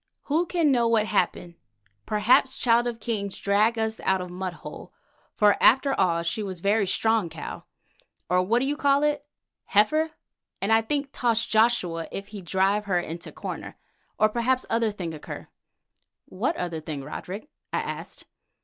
"Who can know what happen? Perhaps Child of King drag us out of mud hole, for after all she was very strong cow, or what you call it, heifer, and I think toss Joshua if he drive her into corner. Or perhaps other thing occur." "What other thing, Roderick?" I asked.